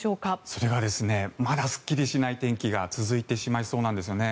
それがまだすっきりしない天気が続いてしまいそうなんですよね。